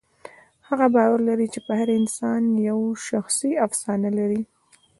هغه باور لري چې هر انسان یوه شخصي افسانه لري.